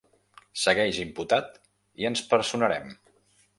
Segueix imputat i ens personarem.